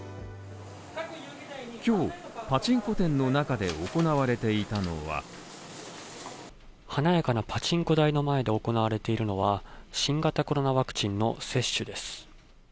今日、パチンコ店の中で行われていたのは華やかなパチンコ台の前で行われているのは新型コロナワクチンの接種です。